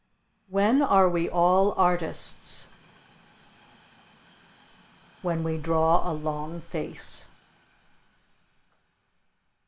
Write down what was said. When are we all artists? When we draw a long face.